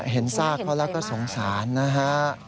เห็นซากเขาแล้วก็สงสารนะฮะไม่ได้เห็นใส่มาก